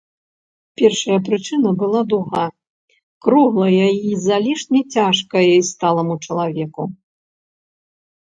Першая прычына была дуга, круглая й залішне цяжкая й сталаму чалавеку.